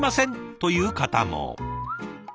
という方も。